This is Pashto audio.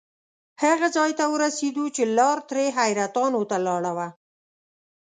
هغه ځای ته ورسېدو چې لار ترې حیرتانو ته لاړه وه.